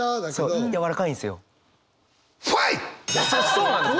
そうなんですよ！